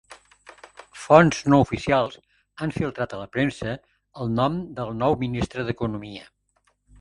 Fonts no oficials han filtrat a la premsa el nom del nou ministre d'economia.